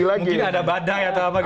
mungkin ada badai atau apa gitu